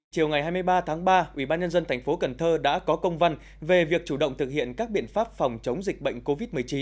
chiều ngày hai mươi ba tháng ba ubnd tp cần thơ đã có công văn về việc chủ động thực hiện các biện pháp phòng chống dịch bệnh covid một mươi chín